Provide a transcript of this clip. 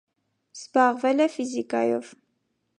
Զբաղվել է ֆիզիկայով։